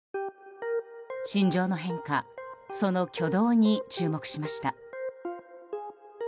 心情の変化、その挙動に注目しました。